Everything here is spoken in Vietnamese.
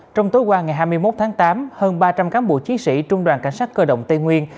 trong tối qua ngày hai mươi một tháng tám hơn ba trăm linh cán bộ chiến sĩ trung đoàn cảnh sát cơ động tây nguyên